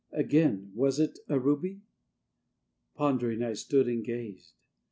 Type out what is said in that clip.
Again, Was it a ruby? Pondering, I stood and gazed.